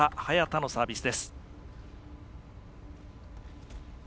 早田のサービスです。